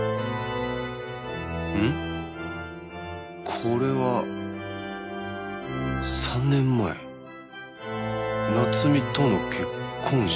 これは３年前夏美との結婚式？